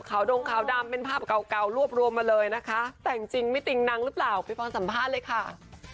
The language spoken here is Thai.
ดงขาวดำเป็นภาพเก่าเก่ารวบรวมมาเลยนะคะแต่งจริงไม่ติงนังหรือเปล่าไปฟังสัมภาษณ์เลยค่ะ